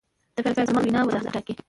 د فعل زمان د وینا وضاحت ټاکي.